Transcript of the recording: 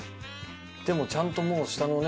でもちゃんともう下のね